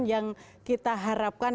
yang kita harapkan